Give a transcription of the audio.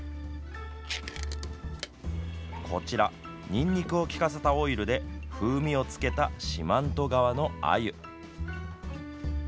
こちらにんにくを利かせたオイルで風味をつけた四万十川のあゆ。